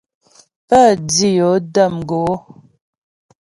Pə́ dǐ yo də̌m gǒ.